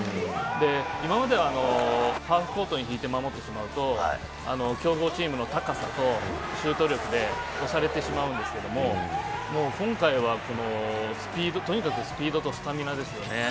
今まではハーフコートに引いて守ってしまうと強豪チームの高さとシュート力で押されてしまうんですけれども、今回はとにかくスピードとスタミナですよね。